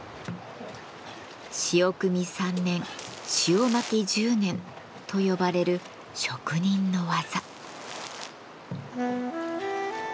「潮くみ３年塩まき１０年」と呼ばれる職人の技。